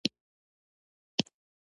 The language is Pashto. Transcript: د برېټانیا په ګټه تمام شول.